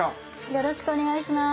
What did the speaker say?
よろしくお願いします